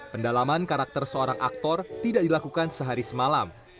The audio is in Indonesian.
pendalaman karakter seorang aktor tidak dilakukan sehari semalam